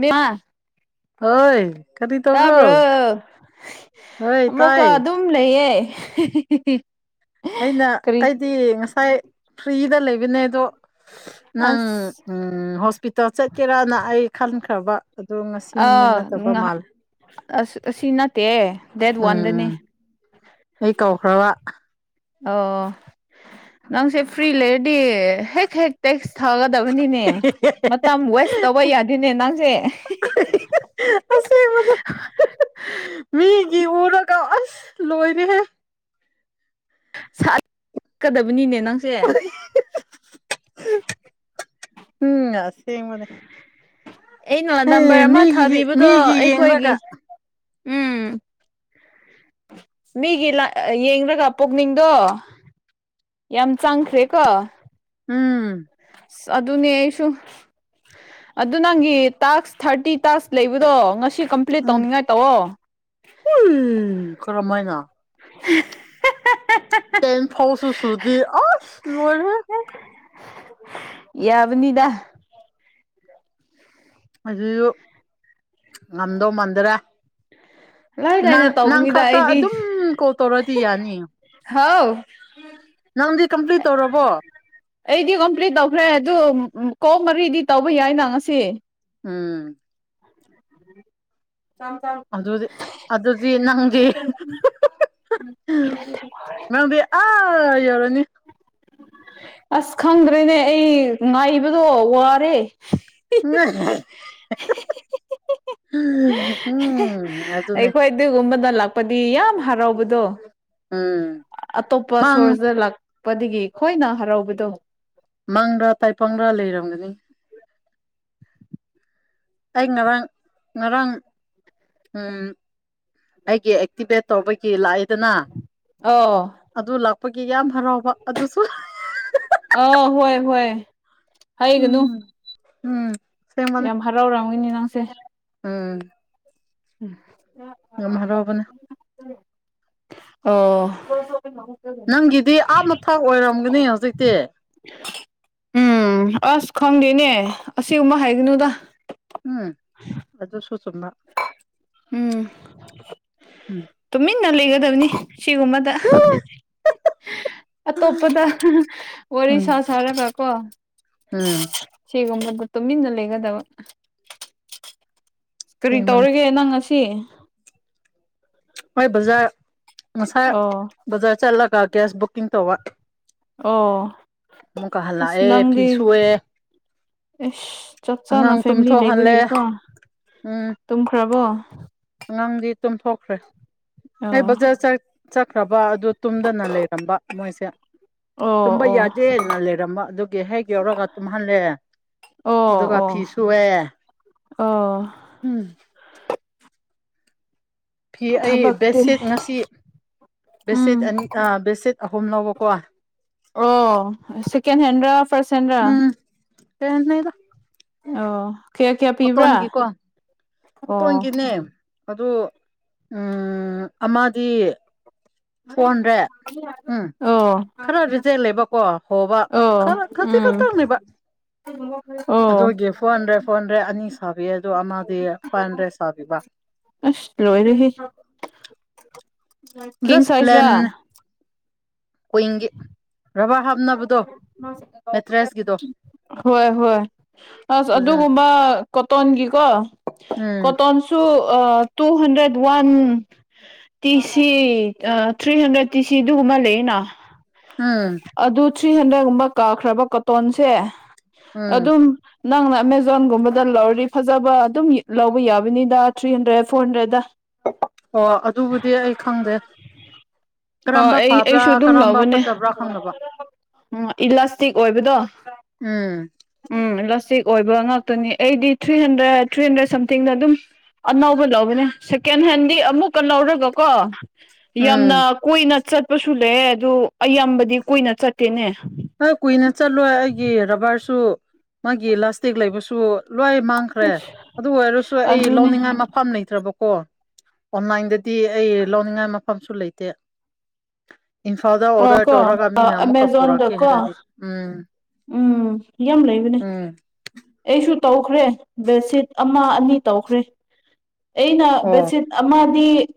ꯃ ꯍ ꯇꯥꯕ꯭ꯔꯣ ꯍꯣꯏ ꯑꯃꯨꯛꯀ ꯇꯥꯏ ꯑꯗꯨꯝ ꯂꯩꯌꯦ [inaudible] ꯑꯩꯅ ꯀꯔꯤ ꯑꯩꯗꯤ ꯉꯁꯥꯏ ꯐ꯭ꯔꯤꯗ ꯂꯩꯕꯅꯦ ꯑꯗꯣ ꯅꯪ ꯑꯁ ꯎꯝ ꯍꯣꯁꯄꯤꯇꯥꯜ ꯆꯠꯀꯦꯔꯥ ꯅ ꯑꯩ ꯈꯟꯈ꯭ꯔꯕ ꯑꯗꯣ ꯉꯁꯤ ꯅꯨꯃꯤꯠ ꯑꯥ ꯅꯠꯇꯕ ꯉꯍꯥꯛ ꯃꯥꯜꯂꯦ ꯑꯁ ꯑꯁꯤ ꯅꯠꯇꯦ ꯗꯦꯠ ꯎꯝ ꯋꯥꯟꯗꯅꯦ ꯑꯩ ꯀꯧꯈ꯭ꯔꯕ ꯑꯣ ꯅꯪꯁꯦ ꯐ꯭ꯔꯤ ꯂꯩꯦꯠ ꯗꯤ ꯍꯦꯛ ꯍꯦꯛ ꯇꯦꯛꯁ ꯊꯥꯒꯗꯕꯅꯤꯅꯦ ꯃꯇꯝ ꯋꯦꯁ ꯇꯧꯕ ꯌꯥꯗꯦꯅꯦ ꯅꯪꯁꯦ ꯑꯁꯦ ꯃ ꯃꯤ ꯏ ꯎꯔꯀꯥꯁ ꯂꯣꯏꯣꯏꯅꯦ ꯍꯥꯏꯦ ꯁꯠꯀꯗꯕꯅꯤꯅꯦ ꯅꯪꯁꯦ ꯎꯝꯁꯦꯡ ꯃꯅꯦ ꯑꯩꯅ ꯅꯝꯕꯔ ꯑꯃ ꯊꯥꯕꯤꯕꯗꯣ ꯃꯤꯒꯤ ꯑꯩꯈꯣꯏꯒꯤ ꯌꯦꯡꯂꯒ ꯎꯝ ꯃꯤꯒꯤ ꯂ ꯌꯦꯡꯕꯒ ꯄꯣꯛꯅꯤꯡꯗꯣ ꯌꯥꯝ ꯆꯥꯡꯈ꯭ꯔꯦꯀꯣ ꯎꯝ ꯑꯗꯨ ꯑꯗꯨꯅꯤꯁꯨ ꯑꯗꯨ ꯅꯪꯒꯤ ꯇꯥꯛꯁ ꯊꯥꯔꯇꯤ ꯇꯥꯛꯁ ꯂꯩꯕꯗꯣ ꯉꯁꯤ ꯀꯝꯄ꯭ꯂꯤꯠ ꯎꯝ ꯇꯧꯅꯤꯡꯉꯥꯏ ꯇꯧꯑꯣ ꯎꯝ ꯀꯔꯝ ꯍꯥꯏꯅ [inaudible] ꯇꯦꯟ ꯐ ꯐꯥꯎꯁꯨ ꯁꯤ ꯑꯁ ꯂꯨꯔꯦ ꯌꯥꯕꯅꯤꯗꯥ ꯑꯗꯨꯁꯨ ꯉꯝꯗꯧ ꯃꯥꯟꯗ꯭ꯔꯦ ꯂꯥꯏ ꯂꯥꯏꯅ ꯅꯪ ꯅꯪ ꯇꯧꯕꯅꯤꯗ ꯈꯥꯛꯛꯇ ꯑꯩꯗꯤ ꯑꯗꯨꯝ ꯀꯣꯜ ꯇꯧꯔꯛꯗꯤ ꯌꯥꯅꯤꯌꯦ ꯍꯥꯎ ꯅꯪꯗꯤ ꯀꯝꯄꯂꯤꯠ ꯇꯧꯔꯕꯔꯕꯣ ꯑꯩꯗꯤ ꯀꯝꯄ꯭ꯂꯤꯠ ꯇꯧꯈ꯭ꯔꯦ ꯑꯗꯨ ꯀꯣꯛ ꯃꯔꯤꯗꯤ ꯇꯧꯕ ꯌꯥꯏꯅ ꯉꯁꯤ ꯎꯝ ꯑꯗꯨꯗꯤ ꯑꯗꯨꯗꯤ ꯅꯪꯗꯤ ꯉꯪꯗꯤꯦ ꯑ ꯌꯎꯔꯅꯤ ꯑꯁ ꯈꯪꯗ꯭ꯔꯦꯅꯦ ꯑꯩ ꯉꯥꯏꯕꯗꯣ ꯋꯥꯔꯦ ꯎꯝ ꯑꯗꯨꯅꯦ ꯑꯩꯈꯣꯏ ꯑꯗꯨꯒꯨꯝꯕꯗ ꯂꯥꯛꯄꯗꯤ ꯌꯥꯝ ꯍꯔꯥꯎꯕꯗꯣ ꯎꯝ ꯑꯇꯣꯞꯄ ꯃꯪ ꯁꯣꯔꯁꯤꯗ ꯂꯥꯛꯄꯗꯒꯤ ꯈꯣꯏꯅ ꯍꯔꯥꯎꯕꯗꯣ ꯃꯪꯔꯥ ꯇꯥꯏꯄꯪꯔꯥ ꯂꯩꯔꯝꯒꯅꯤ ꯑꯩ ꯉꯔꯥꯡ ꯉꯔꯥꯡ ꯑꯩꯒꯤ ꯑꯦꯛꯇꯤꯚꯦꯠ ꯇꯧꯕꯒꯤ ꯂꯥꯏ ꯗꯅ ꯑꯣ ꯑꯗꯨ ꯂꯥꯛꯄꯒꯤ ꯌꯥꯝ ꯍꯔꯥꯎꯕ ꯑꯗꯨꯁꯨ ꯑꯥ ꯍꯣꯏ ꯍꯣꯏ ꯍꯥꯏꯒꯅꯨ ꯎꯝ ꯎꯝ ꯑꯁꯦꯡꯕꯅꯦ ꯌꯥꯝ ꯍꯔꯥꯎꯔꯝꯒꯤꯅꯦ ꯅꯪꯁꯦ ꯎꯝ ꯎꯝ ꯑꯔꯣꯕꯅ ꯑꯣ ꯅꯪꯒꯤꯗꯤ ꯑꯥꯞ ꯃꯊꯛ ꯑꯣꯏꯔꯝꯒꯅꯤ ꯍꯧꯖꯤꯛꯇꯤ ꯎꯝ ꯑꯁ ꯈꯪꯗꯦꯅꯦ ꯑꯁꯤꯒꯨꯝꯕ ꯍꯥꯏꯒꯅꯨꯗ ꯎꯝ ꯑꯗꯨꯗꯁꯨꯣ ꯆꯗ ꯎꯝ ꯎꯝ ꯇꯨꯃꯤꯟꯅ ꯂꯩꯒꯗꯕꯅꯤ ꯁꯤꯒꯨꯝꯕꯗ ꯑꯇꯣꯞꯄꯗ ꯋꯥꯔꯤ ꯎꯝ ꯁꯥ ꯁꯥꯔꯒ ꯀꯣ ꯎꯝ ꯁꯤꯒꯨꯝꯕꯗ ꯇꯨꯃꯤꯟꯅ ꯂꯩꯒꯗꯕ ꯀꯔꯤ ꯁꯦꯡꯕꯅꯦ ꯇꯧꯔꯒꯦ ꯅꯪ ꯉ ꯆꯦ ꯍꯣꯏ ꯕꯖꯥꯔ ꯉꯁꯥꯏ ꯑꯣ ꯕꯖꯥꯔ ꯆꯠꯂꯒ ꯒ꯭ꯌꯥꯁ ꯕꯨꯛꯀꯤꯡ ꯇꯧꯕ ꯑꯣ ꯑꯃꯨꯛ ꯀꯥ ꯍꯜꯂꯥꯛ ꯑꯦ ꯄꯤꯁꯨꯨꯑ ꯑꯦꯁ ꯆꯞ ꯆꯥꯅ ꯐꯦꯃꯤꯂꯤ ꯇꯨꯝꯊꯣꯛꯍꯜꯂꯦ ꯂꯩꯕꯒꯤꯀꯣ ꯎꯝ ꯇꯨꯝꯈ꯭ꯔꯕꯣ ꯑꯉꯥꯡꯗꯤ ꯇꯨꯝꯊꯣꯛꯈ꯭ꯔꯦ ꯑꯩ ꯑꯣ ꯕꯖꯥꯔ ꯆꯠꯈ꯭ꯔꯕ ꯑꯗꯨ ꯇꯨꯝꯗꯅ ꯂꯩꯔꯝꯕ ꯃꯣꯏꯁꯦ ꯑꯣ ꯇꯨꯝꯕ ꯑꯣ ꯌꯥꯗꯦꯅ ꯂꯩꯔꯝꯕ ꯑꯗꯨꯒꯤ ꯍꯦꯛ ꯌꯧꯔꯒ ꯇꯨꯝꯍꯜꯂꯦ ꯑꯣ ꯑꯗꯨꯒ ꯑꯣ ꯐꯤꯁꯨꯋꯦ ꯑꯣ ꯎꯝ ꯐꯤ ꯑꯩ ꯊꯕꯛꯇꯤ ꯕꯦꯠꯁꯤꯠ ꯉꯁꯤ ꯕꯦꯠꯁꯤꯠ ꯎꯝ ꯕꯦꯠꯁꯤꯠ ꯑꯍꯨꯝ ꯅꯕ ꯀꯣꯋꯥ ꯑꯣ ꯁꯀꯦꯟ ꯍꯦꯟ ꯔ ꯐꯥꯔꯁ ꯍꯦꯟ ꯔ ꯎꯝ ꯀꯩ ꯍꯥꯏꯅꯤꯗ ꯑꯣ ꯀꯌꯥ ꯀꯌꯥ ꯄꯤꯕ꯭ꯔꯥ ꯀꯣꯇꯣꯟꯒꯤꯀꯣ ꯑꯣ ꯀꯣꯇꯣꯟꯒꯤꯅꯦ ꯑꯗꯨ ꯎ ꯑꯃꯗꯤ ꯐꯣꯔ ꯍꯟꯗ꯭ꯔꯦꯠ ꯎꯝ ꯑꯣ ꯈꯔ ꯔꯤꯖꯦꯜꯂꯦꯕꯀꯣ ꯍꯣꯕ ꯑꯣ ꯈꯔ ꯈꯖꯤꯛ ꯎꯝ ꯈꯛꯇꯪꯅꯦꯕ ꯑꯣ ꯑꯗꯨꯒꯤ ꯐꯣꯟꯗ꯭ꯔꯦ ꯐꯣꯟ ꯗ꯭ꯔꯦ ꯑꯅꯤ ꯁꯥꯕꯤ ꯑꯗꯨꯣ ꯑꯃꯗꯤ ꯐꯥꯏꯚ ꯍꯟꯗ꯭ꯔꯦꯠ ꯁꯥꯕꯤꯕ ꯑꯁ ꯂꯣꯏꯔꯦꯍꯦ ꯀꯤꯡ ꯖꯁ ꯄ꯭ꯂꯦꯟ ꯁꯥꯏꯖꯔꯥ ꯀꯨꯏꯤꯡꯒꯤ ꯕꯥꯔ ꯍꯥꯞꯅꯕ ꯃ [unintelligible] [unintelligible] ꯍꯣꯏ ꯍꯣꯏ ꯑꯁ ꯑꯗꯨꯅ ꯑꯗꯨꯒꯨꯝꯕ ꯀꯣꯇꯣꯟꯒꯤꯀꯣ ꯎꯝ ꯀꯇꯣꯟꯁꯨ two hundred one T C three hundred T C ꯑꯗꯨꯒꯨꯝꯕ ꯑꯃ ꯂꯩꯅ ꯎꯝ ꯊ꯭ꯔꯤ ꯍꯟꯗ꯭ꯔꯦꯗꯀꯨꯝꯕ ꯀꯛꯈ꯭ꯔꯕ ꯀꯣꯇꯣꯟꯁꯦ ꯎꯝ ꯑꯗꯨꯝ ꯅꯪꯅ ꯑꯃꯥꯖꯣꯟꯒꯨꯝꯕꯗ ꯂꯧꯔꯤ ꯐꯖꯕ ꯑꯗꯨꯝ ꯂꯧꯕ ꯌꯥꯕꯅꯤꯗ ꯊ꯭ꯔꯤ ꯍꯟꯗ꯭ꯔꯦꯗ ꯐꯣꯔ ꯍꯟꯗ꯭ꯔꯦꯗ ꯑꯣ ꯑꯗꯨꯕꯨꯗꯤ ꯑꯩ ꯈꯪꯗꯦ ꯑꯣ ꯀꯔꯝꯕ ꯑꯩ ꯐꯕ꯭ꯔꯥ ꯑꯩꯁꯨ ꯑꯗꯨꯝ ꯀꯔꯝꯕ ꯂꯧꯕꯅꯦ ꯐꯠꯇꯕ꯭ꯔꯥ ꯈꯪꯅꯕ ꯎꯝ ꯏꯂꯥꯁꯇꯤꯛ ꯑꯣꯏꯕꯗꯣ ꯎꯝ ꯎꯝ ꯏꯂꯥꯁꯇꯤꯛ ꯑꯣꯏꯕ ꯉꯥꯛꯇꯅꯤ ꯑꯩꯗꯤ ꯊ꯭ꯔꯤ ꯍꯟꯗ꯭ꯔꯦꯗ ꯊ꯭ꯔꯤ ꯍꯟꯗ꯭ꯔꯦꯠ ꯁꯝꯊꯤꯡꯗ ꯑꯗꯨꯝ ꯑꯅꯧꯕ ꯂꯧꯕꯅꯦ ꯁꯦꯀꯦꯟ ꯍꯦꯟꯗꯤ ꯑꯃꯨꯛꯀ ꯂꯧꯔꯒ ꯀꯣ ꯎꯝ ꯌꯥꯝꯅ ꯀꯨꯏꯅ ꯆꯠꯄꯁꯨ ꯂꯩ ꯑꯗꯨ ꯑꯌꯥꯝꯕꯗꯤ ꯀꯨꯏꯅ ꯆꯠꯇꯦꯅꯦ ꯍꯣꯏ ꯀꯨꯏꯅ ꯆꯠꯂꯣꯏ ꯑꯩꯒꯤ ꯔꯕꯔꯁꯨ ꯃꯥꯒꯤ ꯏꯂꯥꯁꯇꯤꯛ ꯂꯩꯕꯁꯨ ꯂꯣꯏ ꯃꯥꯡꯈ꯭ꯔꯦ ꯑꯗꯨ ꯑꯣꯏꯔꯁꯨ ꯑꯩ ꯑꯗꯨꯅꯦ ꯂꯧꯅꯤꯡꯉꯥꯏ ꯃꯐꯝ ꯂꯩꯇ꯭ꯔꯕꯀꯣ ꯀꯣ ꯑꯣꯟꯂꯥꯏꯟꯗꯗꯤ ꯑꯩ ꯂꯧꯅꯤꯡꯉꯥꯏ ꯃꯐꯝꯁꯨ ꯂꯩꯇꯦ ꯏꯝꯐꯥꯜꯗ ꯑꯣ ꯑꯣꯔꯗꯔ ꯀꯣ ꯇꯧꯔꯒ ꯃꯤꯅ ꯑꯃꯨꯛꯀ ꯄꯨꯔꯛꯀꯦ ꯑꯃꯥꯖꯣꯟꯗꯀꯣ ꯍꯥꯏꯔꯗꯤ ꯎꯝ ꯎꯝ ꯌꯥꯝ ꯂꯩꯕꯅꯦ ꯎꯝ ꯑꯩꯁꯨ ꯇꯧꯈ꯭ꯔꯦ ꯕꯦꯠꯁꯤꯠ ꯑꯃ ꯑꯅꯤ ꯇꯧꯈ꯭ꯔꯦ ꯑꯩꯅ ꯑꯣ ꯕꯦꯗꯁꯤꯠ ꯑꯃ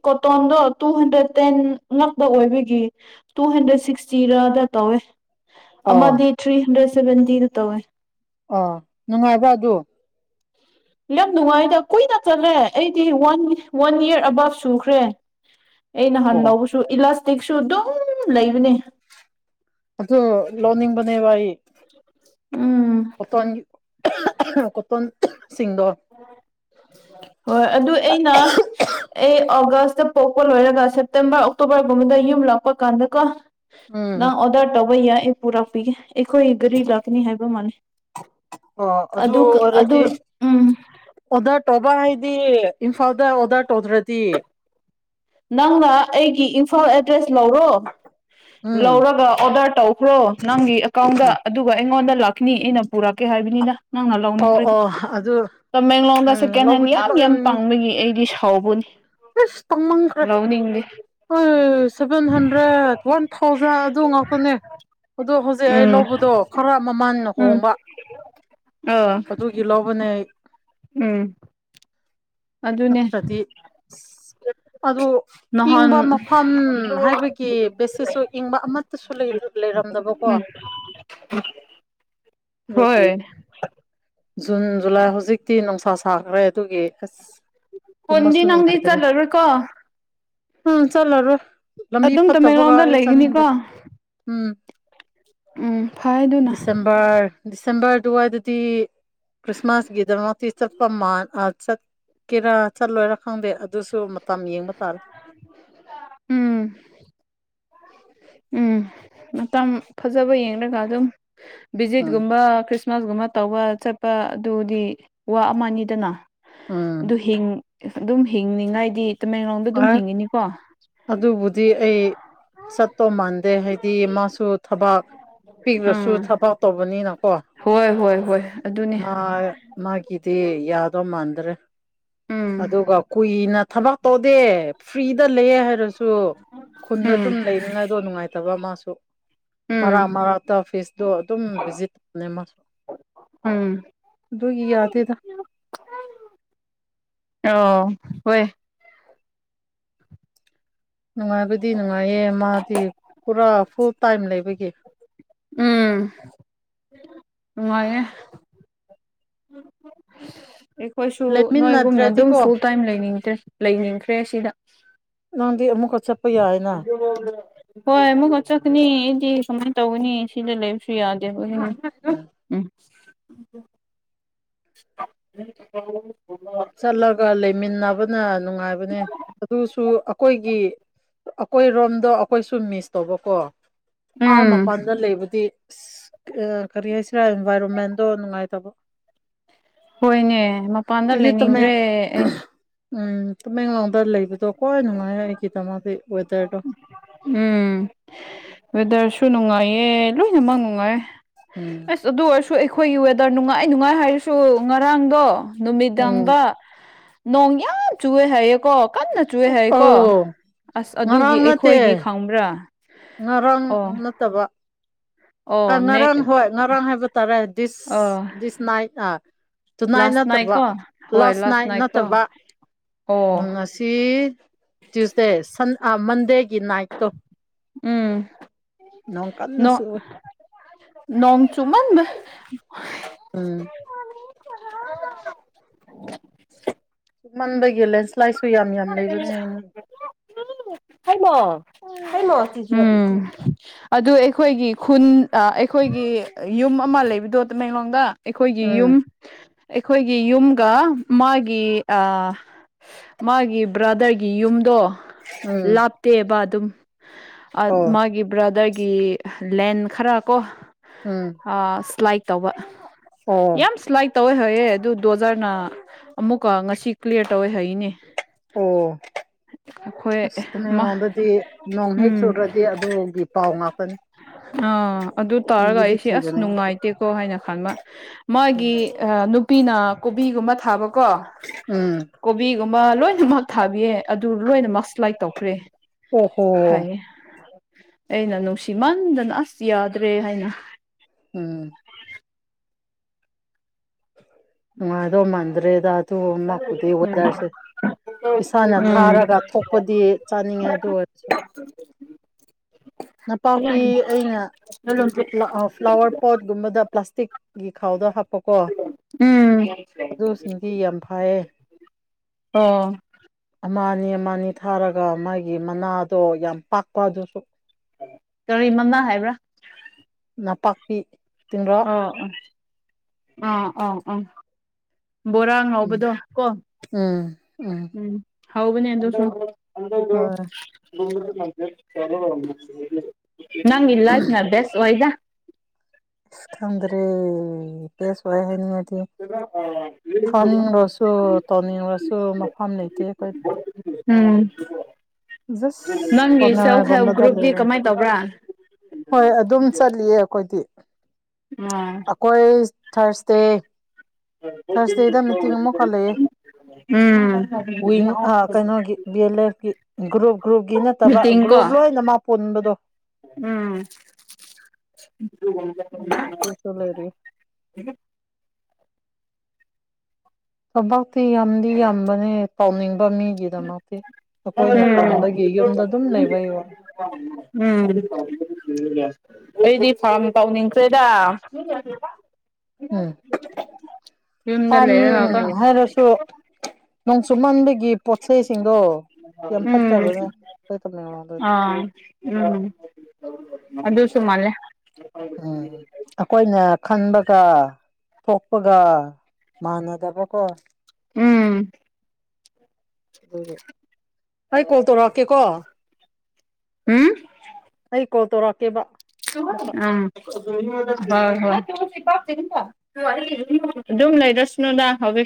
ꯀꯣꯇꯗ ꯇꯨ ꯍꯟꯗ꯭ꯔꯦꯠ ꯇꯦꯟ ꯉ ꯑꯣꯏꯒꯤ ꯇꯨ ꯍꯟꯗ꯭ꯔꯦꯠꯇꯤ ꯇꯧꯋꯦ ꯑꯣ ꯑꯃꯗꯤ ꯊ꯭ꯔꯤ ꯍꯟꯗ꯭ꯔꯦꯠ ꯁꯚꯦꯟꯇꯤꯗ ꯇꯧꯋꯦ ꯑ ꯅꯨꯡꯉꯥꯏꯕ ꯑꯗꯨ ꯌꯥꯝ ꯅꯨꯡꯉꯥꯏꯗ ꯀꯨꯏꯅ ꯆꯠꯂꯦ ꯑꯩꯗꯤ ꯋꯥꯟ ꯋꯥꯟ ꯏꯌꯥꯔ ꯑꯕꯥꯞ ꯁꯨꯈ꯭ꯔꯦ [inaudible] ꯑꯩ ꯅꯍꯥꯟ ꯑꯣ ꯂꯧꯕꯁꯨ ꯏꯂꯥꯁꯇꯤꯛꯁꯨ ꯑꯗꯨꯝ ꯂꯩꯕꯅꯦ ꯑꯗꯨꯗ ꯂꯣꯅꯤꯡ ꯃꯅꯦꯕꯏ ꯎꯝ ꯀꯊꯣꯟ ꯀꯇꯣꯟ ꯁꯤꯁꯤꯡꯗ ꯍꯣꯏ ꯑꯗꯨ ꯑꯩꯅ ꯑꯩ ꯑꯣꯒꯁ ꯄꯣꯛꯄ ꯂꯣꯏꯔꯒ ꯁꯦꯞꯇꯦꯝꯕꯔ ꯑꯣꯛꯇꯣꯕꯔꯒꯨꯝꯕꯗ ꯌꯨꯝ ꯂꯥꯛꯄ ꯀꯥꯟꯗꯒ ꯎꯝ ꯅꯪ ꯑꯣꯗꯔ ꯇꯧꯕ ꯌꯥꯏ ꯑꯩ ꯄꯨꯔꯛꯄꯤꯒꯦ ꯑꯩꯈꯣꯏ ꯒꯥꯔꯤ ꯂꯥꯛꯀꯅꯤ ꯍꯥꯏꯕ ꯃꯥꯜꯂ ꯑꯣ ꯑꯗꯨ ꯀ ꯑꯗꯨ ꯑꯣꯏꯔꯗꯤ ꯎꯝ ꯑꯣꯗꯔ ꯇꯧꯕ ꯍꯥꯏꯗꯤ ꯏꯝꯐꯥꯜꯗ ꯑꯣꯗꯔ ꯇꯧꯗ꯭ꯔꯗꯤ ꯅꯪꯅ ꯑꯩꯒꯤ ꯏꯝꯐꯥꯜ ꯑꯦꯗ꯭ꯔꯦꯁ ꯂꯧꯔꯣ ꯎꯝ ꯂꯧꯔꯒ ꯑꯣꯗꯔ ꯇꯧꯈ꯭ꯔꯣ ꯅꯪꯒꯤ ꯑꯦꯀꯥꯎꯟꯗ ꯑꯗꯨꯒ ꯑꯩꯉꯣꯟꯗ ꯂꯥꯛꯈꯤꯅꯤ ꯏꯩꯅ ꯄꯨꯔꯛꯀꯦ ꯍꯥꯏꯕꯅꯤꯅ ꯅꯪꯅ ꯑꯣ ꯂꯧꯅꯤꯡꯕꯅꯤ ꯑꯣ ꯑꯗꯨ ꯇꯃꯦꯡꯂꯣꯡꯗ ꯎꯝ ꯁꯦꯀꯦꯟ ꯍꯦꯟ ꯂꯧꯕꯗꯤ ꯌꯥꯝ ꯌꯥꯝ ꯂꯧꯔꯝꯅꯤ ꯇꯥꯡꯕꯒꯤ ꯑꯩꯗꯤ ꯍꯥꯎꯧꯕꯅꯤ ꯑꯁ ꯂꯧꯅꯤꯡꯗꯤ ꯑꯩꯣꯏ ꯁꯚꯦꯟ ꯍꯟꯗ꯭ꯔꯦꯗ ꯋꯥꯟ ꯊꯥꯎꯖꯟ ꯑꯗꯨ ꯉꯥꯛꯇꯅꯦ ꯑꯗꯨꯛ ꯍꯧꯖꯤꯛ ꯑꯩ ꯎꯝ ꯂꯧꯕꯗꯣ ꯈꯔ ꯃꯃꯜ ꯎꯝ ꯈꯍꯣꯡꯕ ꯑꯥ ꯑꯗꯨꯒꯤ ꯂꯧꯕꯅꯦ ꯎꯝ ꯑꯗꯨꯅꯦ ꯑꯗꯣ ꯅꯍꯥꯟ ꯏꯪꯕ ꯃꯐꯝ ꯍꯥꯏꯕꯒꯤ ꯕꯦꯁꯤꯁꯁꯨ ꯏꯪꯕ ꯑꯃꯠꯇꯁꯨ ꯂꯩꯔꯝꯗꯕꯀꯣ ꯎꯝ ꯍꯣꯏ ꯖꯨꯟ ꯖꯨꯂꯥꯏ ꯍꯧꯖꯤꯛꯇꯤ ꯅꯨꯡꯁꯥ ꯁꯥꯈ꯭ꯔꯦ ꯑꯗꯨꯒꯤ ꯑꯁ ꯀꯣꯟꯗꯤ ꯇꯨꯝꯃꯁꯨ ꯅꯪꯗꯤ ꯅꯨꯡꯉꯥꯏꯇ꯭ꯔꯦ ꯆꯂꯔꯣꯏ ꯀꯣ ꯎꯝ ꯆꯠꯂꯔꯣꯏ ꯂꯝꯕꯤ ꯑꯗꯨꯝ ꯐꯠꯇꯕꯒ ꯇꯃꯦꯡꯂꯣꯡꯗ ꯑꯩ ꯂꯩꯒꯅꯤꯀꯣ ꯆꯠꯅꯤꯡꯗꯔꯦ ꯎꯝ ꯎꯝ ꯐꯥꯏꯗꯨꯅ ꯗꯤꯁꯦꯝꯕꯔ ꯗꯤꯁꯦꯝꯕꯔ ꯑꯗꯨꯋꯥꯏꯗꯗꯤ ꯈ꯭ꯔꯤꯁꯃꯥꯁꯀꯤꯗꯃꯣꯇ ꯆꯠꯄ ꯆꯠꯀꯦꯔꯥ ꯆꯠꯂꯣꯏꯔꯥ ꯈꯪꯗꯦ ꯑꯗꯨꯁꯨ ꯃꯇꯝ ꯌꯦꯡꯕ ꯇꯥꯔꯦ ꯎꯝ ꯎꯝ ꯃꯇꯝ ꯐꯖꯕ ꯌꯦꯡꯂꯒ ꯑꯗꯨꯝ ꯎꯝ ꯕꯤꯖꯤꯠꯒꯨꯝꯕꯥ ꯀꯔꯤꯁ ꯈ꯭ꯔꯤꯁꯃꯥꯁꯒꯨꯝꯕ ꯇꯧꯕ ꯆꯠꯄ ꯑꯗꯨꯗꯤ ꯋꯥ ꯑꯃꯅꯤꯅꯤꯗꯅ ꯑꯗꯨ ꯎꯝ ꯍꯤꯡ ꯑꯗꯨꯝ ꯍꯤꯡꯅꯤꯡꯉꯥꯏꯗꯤ ꯇꯃꯦꯡꯂꯣꯡꯗ ꯑꯗꯨꯝ ꯑꯥꯏ ꯍꯤꯡꯉꯤꯅꯤꯀꯣ ꯑꯗꯨꯕꯨꯗꯤ ꯑꯩ ꯆꯠꯇꯧ ꯃꯥꯟꯗꯦ ꯍꯥꯏꯗꯤ ꯃꯥꯁꯨ ꯊꯕꯥꯛ ꯄꯤꯈ꯭ꯔꯁꯨ ꯎꯝ ꯊꯕꯥꯛ ꯇꯧꯕꯅꯤꯅ ꯀꯣ ꯍꯣꯏ ꯍꯣꯏ ꯍꯣꯏ ꯑꯗꯨꯅꯦ ꯃꯥ ꯃꯥꯒꯤꯗꯤ ꯌꯥꯗꯧ ꯃꯥꯟꯗ꯭ꯔꯦ ꯎꯝ ꯑꯗꯨꯒ ꯀꯨꯏꯅ ꯊꯕꯛ ꯇꯧꯗꯦ ꯐ꯭ꯔꯤꯗ ꯂꯩꯌꯦ ꯍꯥꯏꯔꯁꯨ ꯈꯨꯟꯗ ꯎꯝ ꯑꯗꯨꯝ ꯂꯩꯅꯤꯉꯥꯏꯗꯣ ꯅꯨꯡꯉꯥꯏꯇꯕ ꯃꯥꯁꯨ ꯎꯝ ꯃꯔꯥ ꯃꯔꯛꯇ ꯐꯤꯁꯇꯣ ꯑꯗꯨꯝ ꯚꯤꯖꯤꯠ ꯇꯧꯕꯅꯦ ꯃꯥꯁꯨ ꯎꯝ ꯗꯏ ꯌꯥꯗꯦꯗ ꯑꯣ ꯍꯣꯏ ꯅꯨꯡꯉꯥꯏꯕꯗꯤ ꯅꯨꯡꯉꯥꯏꯌꯦ ꯃꯥꯗꯤ ꯄꯨꯔꯥ ꯐꯨꯜ ꯇꯥꯏꯝ ꯂꯩꯕꯒꯤ ꯎꯝ ꯅꯨꯡꯉꯦ ꯑꯩꯈꯣꯏꯁꯨ ꯅꯣꯏꯒꯨꯝꯅ ꯑꯗꯨꯝ ꯂꯩꯃꯤꯟꯅꯗ꯭ꯔꯗꯤꯀꯣ ꯐꯨꯜ ꯇꯥꯏꯝ ꯂꯩꯅꯤꯡꯗꯦ ꯂꯩꯅꯤꯡꯗꯦ ꯄꯦꯁꯤꯅ ꯑꯃꯨꯛ ꯍꯣꯏ ꯃꯨ ꯉꯆꯥꯅꯤꯗꯤ ꯁꯨꯃꯥꯏꯅ ꯇꯧꯒꯅꯤ ꯁꯤꯗ ꯂꯩꯕꯁꯨ ꯌꯥꯗꯦ ꯎꯝ [unintelligible] ꯆꯠꯂꯒ ꯂꯩꯃꯤꯟꯅꯕꯅ ꯅꯨꯡꯉꯥꯏꯕꯅꯦ ꯑꯗꯨꯁꯨ ꯑꯩꯈꯣꯏꯒꯤ ꯑꯩꯈꯣꯏ ꯔꯣꯝꯗꯣ ꯑꯩꯈꯣꯏꯁꯨ ꯃꯤꯁ ꯇꯧꯕꯀꯣ ꯑꯥ ꯎꯝ ꯃꯄꯥꯟꯗ ꯂꯩꯕꯨꯗꯤ ꯀꯔꯤ ꯍꯥꯏꯁꯤꯔꯥ ꯏꯟꯚꯥꯏꯔꯣꯟꯃꯦꯟꯗꯣ ꯅꯨꯡꯉꯥꯏꯇꯕ ꯍꯣꯏꯅꯦ ꯃꯄꯥꯟꯗ ꯑꯩꯗꯤ ꯇꯃꯦꯡ ꯂꯩꯅꯤꯡꯗ꯭ꯔꯦ ꯑꯩ ꯎꯝ ꯇꯃꯦꯡꯂꯣꯡꯗ ꯂꯩꯕꯗꯣ ꯈ꯭ꯋꯥꯏ ꯅꯨꯡꯉꯥꯏ ꯑꯩꯒꯤꯗ ꯃꯥꯗꯤ ꯋꯦꯗꯔꯗꯣ ꯎꯝ ꯗꯔꯁꯨ ꯅꯨꯡꯉꯥꯏꯌꯦ ꯑꯦ ꯂꯣꯏꯅꯃꯛ ꯅꯨꯡꯉꯥꯏ ꯎꯝ ꯑꯁ ꯑꯗꯨ ꯑꯣꯏꯁꯨ ꯁ ꯑꯩꯈꯣꯏꯒꯤ ꯋꯦꯗꯔ ꯅꯨꯡꯉꯥꯏ ꯅꯨꯡꯉꯥꯏ ꯍꯥꯏꯔꯁꯨ ꯉꯔꯥꯡꯗꯣ ꯎꯝ ꯅꯨꯃꯤꯗꯥꯡꯗ ꯅꯣꯡ ꯌꯥꯝ ꯆꯨꯋꯦ ꯍꯥꯏꯌꯦꯀꯣ ꯀꯟꯅ ꯆꯨꯑꯦ ꯍꯥꯏꯌꯦꯀꯣ ꯑꯧ ꯑꯁ ꯑꯗꯨꯒꯤ ꯉꯔꯥꯡ ꯅꯠꯇꯦ ꯑꯩꯈꯣꯏꯒꯤ ꯈꯪꯕ꯭ꯔꯥ ꯉꯔꯥꯡ ꯑꯣ ꯅꯠꯇꯕ ꯑꯣ ꯅꯦꯛ ꯉꯔꯥꯡ ꯍꯣꯏ ꯉꯔꯥꯡ ꯍꯥꯏꯕ ꯇꯥꯔꯦ ꯗꯤꯁ ꯑꯣ this night tonight last night ꯅꯠꯇꯕ ꯀꯣ ꯍꯣꯏ ꯂꯥꯁ ꯅꯥꯏꯠ ꯀꯣ ꯅꯠꯇꯕ ꯎ ꯑꯣ ꯉꯁꯤ ꯇ꯭ꯌꯨꯁꯗꯦꯟ ꯃꯟꯗꯦ ꯒꯤ ꯅꯥꯏꯠꯇꯣ ꯎꯝ ꯅꯣꯡ ꯀꯟꯅꯁꯨ ꯑꯣꯏ ꯅꯣꯡ ꯆꯨꯃꯟꯗ ꯎꯝ [unintelligible] ꯃꯥꯟꯕꯒꯂꯦ ꯁꯤ ꯂꯥꯏꯁꯨꯨ ꯌꯥꯝ ꯌꯥꯝ ꯂꯩꯕꯅꯦ ꯍꯂꯣ ꯎꯝ ꯑꯗꯨ ꯑꯩꯈꯣꯏꯒꯤ ꯈꯨꯟ ꯑꯩꯈꯣꯏꯒꯤ ꯌꯨꯝ ꯑꯃ ꯂꯩꯕꯗꯨ ꯇꯃꯦꯡꯂꯣꯡꯗ ꯑꯩꯈꯣꯏꯒꯤ ꯎꯝ ꯌꯨꯝ ꯑꯩꯈꯣꯏꯒꯤ ꯌꯨꯝꯒ ꯃꯥꯒꯤ ꯑꯥ ꯃꯥꯒꯤ ꯕ꯭ꯔꯥꯗꯔꯒꯤ ꯌꯨꯝꯗꯣ ꯎꯝ ꯂꯥꯞꯇꯦꯕ ꯑꯗꯨꯝ꯫ ꯑꯠ ꯑꯣ ꯃꯥꯒꯤ ꯕ꯭ꯔꯗꯔꯒꯤ ꯂꯦꯟ ꯈꯔ ꯀꯣ ꯎꯝ ꯑ ꯁ꯭ꯂꯥꯏꯛ ꯇꯧꯕ ꯑꯣ ꯌꯥꯝ ꯁ꯭ꯂꯥꯏꯛ ꯇꯧꯋꯦ ꯍꯥꯌꯦ ꯑꯗꯨ ꯗꯣꯖꯔꯅ ꯑꯃꯨꯛꯀ ꯉꯁꯤ ꯀ꯭ꯂꯤꯌꯔ ꯇꯧꯋꯦ ꯍꯥꯏꯌꯦꯅꯦ꯫ ꯑꯣ꯫ ꯑꯁ ꯃꯥ ꯇꯃꯦꯡꯂꯣꯡꯗꯗꯤ ꯅꯣꯡ ꯍꯦꯛ ꯎꯝ ꯆꯨꯨꯗ꯭ꯔꯗꯤ ꯑꯗꯨꯒꯤ ꯄꯥꯎ ꯉꯥꯛꯇꯅꯤ꯫ ꯑꯥ ꯑꯗꯨ ꯇꯥꯔꯒ ꯀꯤꯕꯗꯤ ꯑꯩꯁꯦ ꯑꯁ ꯀꯤꯕꯅꯦ ꯅꯨꯡꯉꯥꯏꯇꯦꯀꯣ ꯍꯥꯏꯅ ꯈꯟꯕ ꯎꯝ ꯃꯥꯒꯤ ꯑꯥ ꯅꯨꯞ ꯄꯤꯅ ꯀꯣꯕꯤꯒꯨꯝꯕ ꯊꯥꯕꯀꯣ ꯎꯝ ꯀꯣꯕꯤꯒꯨꯝꯕ ꯂꯣꯏꯅꯃꯛ ꯊꯥꯕꯤꯌꯦ ꯑꯗꯨ ꯂꯣꯏꯅ ꯃꯁ ꯁꯂꯥꯏꯠ ꯇꯧꯈ꯭ꯔꯦ ꯑꯣꯍꯣ ꯍꯥꯏꯌꯦ꯫ ꯑꯩꯅ ꯅꯨꯡꯁꯤꯃꯟꯗꯅ ꯑꯁ ꯌꯥꯗ꯭ꯔꯦ ꯍꯥꯏꯅ ꯎꯝ ꯋꯥꯗꯣ ꯃꯥꯟꯗ꯭ꯔꯦ ꯗ ꯗꯣ ꯃꯛꯄꯨꯗꯤ ꯎꯝ ꯋꯣꯗꯔꯁꯦ꯫ ꯏꯁꯥꯅ ꯎꯝ ꯊꯥꯔꯒ ꯊꯣꯛꯄꯗꯤ ꯆꯥꯅꯤꯡꯉꯦ ꯑꯗꯨ ꯑꯣꯏ ꯅꯄꯥꯛꯄꯤ ꯑꯩꯅ ꯐ꯭ꯂꯥ ꯑ ꯐ꯭ꯂꯥꯋꯔ ꯄꯣꯠꯒꯨꯝꯕꯗ ꯄ꯭ꯂꯥꯁꯇꯤꯛ ꯒꯤ ꯈꯥꯎꯗ ꯍꯥꯞꯄꯀꯣ ꯎꯝ ꯑꯗꯨꯁꯤꯡꯗꯤ ꯌꯥꯝ ꯐꯌꯦ ꯑꯣ꯫ ꯃꯅꯤ ꯃꯅꯤ ꯊꯥꯔꯒ ꯃꯥꯒꯤ ꯃꯅꯥꯗꯣ ꯌꯥꯝ ꯄꯥꯛꯄ ꯗꯨꯁꯨ ꯀꯔꯤ ꯃꯅꯥꯥ ꯍꯥꯏꯕ꯭ꯔꯥ꯫ ꯅꯄꯥꯛꯄꯤ꯫ ꯇꯤꯡꯔꯣ ꯑ ꯑ ꯑꯥ ꯑ ꯑ ꯕꯣꯔꯥ ꯎꯝ ꯉꯥꯎꯕꯗꯣ ꯀꯣ꯫ ꯎꯝ ꯍꯥꯎꯕꯅꯦ ꯑꯗꯨꯁꯨ [inaudible] ꯍꯣꯏ [inaudible] ꯅꯪꯒꯤ ꯂꯥꯏꯐꯅ ꯕꯦꯁ ꯑꯣꯏꯗ꯫ ꯏꯁ ꯈꯪꯗꯔꯦ ꯄꯦꯁ ꯑꯣꯢꯌꯦ [unintelligible] [inaudible] ꯊꯥꯅꯤꯡꯂꯁꯨ ꯇꯧꯅꯤꯡꯂꯁꯨ ꯃꯐꯝ ꯂꯩꯇꯦ [unintelligible] ꯎꯝ꯫ ꯖꯁ ꯅꯪꯒꯤ ꯁꯦꯜꯐ ꯍꯦꯜꯞ ꯀꯣꯅꯔꯒꯨꯝꯕꯗ ꯒ꯭ꯔꯨꯞꯇꯤ ꯂꯩꯕꯅꯤ꯫ ꯀꯃꯥꯏ ꯇꯧꯕ꯭ꯔꯥ ꯍꯣꯏ ꯑꯗꯨꯝ ꯆꯠꯂꯤꯌꯦ ꯑꯈꯣꯏꯗꯤ꯫ ꯑꯣ ꯑꯀꯣꯏ ꯊꯔ꯭ꯁꯗꯦ ꯊꯥꯔꯁꯗꯦꯗ ꯃꯤꯇꯤꯡ ꯑꯃꯨꯛꯀ ꯂꯩꯌꯦ꯫ ꯎꯝ ꯋꯤꯡ ꯑ ꯀꯩꯅꯣꯒꯤ ꯕꯤ ꯑꯦꯜ ꯑꯦꯐ ꯀꯤ ꯑꯝ ꯒꯨ ꯒ꯭ꯔꯨꯞ ꯒ꯭ꯔꯨꯞꯀꯤ ꯅꯠꯇꯕ ꯃꯤꯇꯤꯡ ꯀꯣ ꯒ꯭ꯔꯨꯞ ꯂꯣꯏꯅ ꯃꯛ ꯄꯨꯟꯕꯗꯣ [inaudible] ꯑꯗꯨꯗ ꯂꯩꯔꯤ꯫ ꯑꯕꯛꯇꯤ ꯌꯥꯝꯗꯤ ꯌꯥꯝꯕꯅꯦ ꯇꯧꯅꯤꯡꯕ ꯃꯤꯒꯤꯗꯃꯛꯇꯤ꯫ ꯎꯝ ꯑꯈꯣꯏꯅ ꯇꯟꯕꯒꯤ ꯌꯨꯝꯗ ꯑꯗꯨꯝ ꯂꯩꯕꯩꯋꯥ꯫ [inaudible] ꯎꯝ꯫ [inaudible] ꯑꯩꯗꯤ ꯐꯥꯔꯝ ꯇꯧꯅꯤꯡꯈ꯭ꯔꯦꯗ꯫ [inaudible] ꯎꯝ ꯌꯨꯝꯗ ꯐꯥꯔꯝ ꯂꯩꯔꯒꯀꯣ ꯎꯝꯝ ꯍꯥꯏꯔꯁꯨ ꯅꯣꯡ ꯆꯨꯝꯃꯟꯕꯒꯤ ꯄꯣꯠꯆꯩꯁꯤꯡꯗꯣ ꯌꯥꯝ ꯎꯝ ꯐꯠꯇꯕꯅꯦ꯫ ꯇꯃꯦꯡꯂꯣꯡꯗꯗꯤ ꯑꯥ ꯎꯝ꯫ ꯑꯗꯨꯁꯨ ꯃꯥꯜꯂꯦ ꯎꯝ ꯑꯩꯈꯣꯏꯅ ꯈꯟꯕꯒ ꯄꯣꯛꯄꯒ ꯃꯥꯟꯅꯗꯕꯀꯣ꯫ ꯎꯝ꯫ [unintelligible] ꯑꯩ ꯀꯣꯜ ꯇꯧꯔꯥꯛꯀꯦꯀꯣ꯫ ꯎꯝꯝ꯫ ꯑꯩꯩ ꯀꯣꯜ ꯇꯣꯔꯥꯛꯀꯦꯕ꯫ ꯎ ꯍꯣꯏ ꯍꯣꯏ ꯑꯗꯨ ꯂꯩꯗꯁꯅꯣꯗꯥꯕ